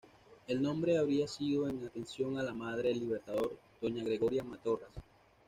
El nombre habría sido en atención a la madre del libertador, doña Gregoria Matorras.